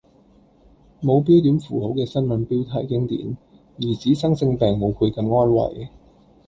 冇標點符號嘅新聞標題經典：兒子生性病母倍感安慰